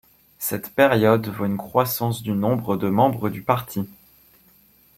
Cette période voit une croissance du nombre de membres du parti.